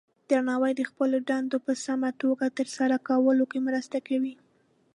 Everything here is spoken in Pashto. درناوی د خپلو دندو په سمه توګه ترسره کولو کې مرسته کوي.